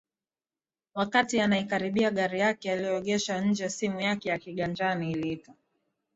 Wakati anaikaribia gari yake aloegesha nje simu yake ya kiganjani iliita